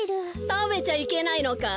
たべちゃいけないのかい？